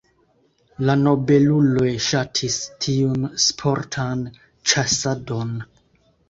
La nobeluloj ŝatis tiun sportan ĉasadon.